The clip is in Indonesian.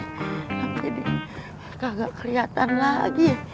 nampet jadi kagak keliatan lagi